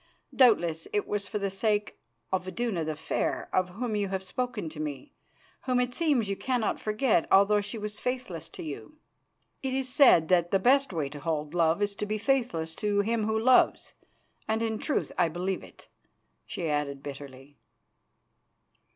Doubtless it was for the sake of Iduna the Fair, of whom you have spoken to me, whom it seems you cannot forget although she was faithless to you. It is said that the best way to hold love is to be faithless to him who loves, and in truth I believe it," she added bitterly.